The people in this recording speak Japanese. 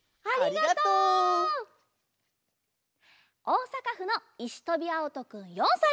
おおさかふのいしとびあおとくん４さいから。